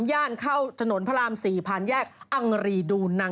จากนั้นนี่แหละ